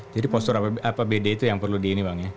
jadi postur apbd itu yang perlu di ini bang ya